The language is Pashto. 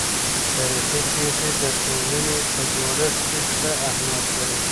تاريخي پېښې د ټولنې په جوړښت کې څه اهمیت لري؟